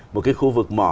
một cái khu vực mỏ